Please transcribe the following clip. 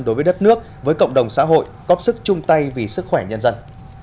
đối với đất nước với cộng đồng xã hội góp sức chung tay vì sức khỏe nhân dân